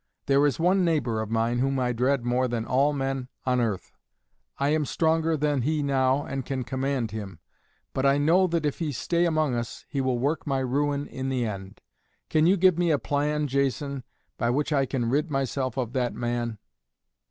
There is one neighbor of mine whom I dread more than all men on earth. I am stronger than he now and can command him, but I know that if he stay among us, he will work my ruin in the end. Can you give me a plan, Jason, by which I can rid myself of that man?"